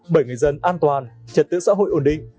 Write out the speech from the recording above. bởi người dân an toàn trật tự xã hội ổn định